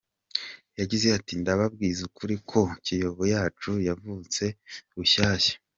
Yagize ati “Ndababwiza ukuri ko Kiyovu yacu yavutse bushyashya .